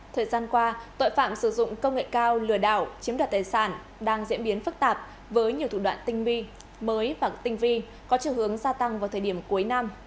thời gian qua tội phạm sử dụng công nghệ cao lừa đảo chiếm đoạt tài sản đang diễn biến phức tạp với nhiều thủ đoạn tinh vi mới và tinh vi có chiều hướng gia tăng vào thời điểm cuối năm